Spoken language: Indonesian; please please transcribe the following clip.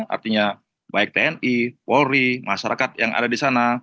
artinya baik tni polri masyarakat yang ada di sana